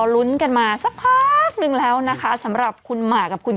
ลุ้นกันมาสักพักนึงแล้วนะคะสำหรับคุณหมากกับคุณ